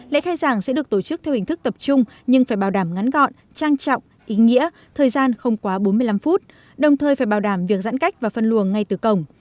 lễ khai giảng sẽ được tổ chức theo hình thức tập trung nhưng phải bảo đảm ngắn gọn trang trọng ý nghĩa thời gian không quá bốn mươi năm phút đồng thời phải bảo đảm việc giãn cách và phân luồng ngay từ cổng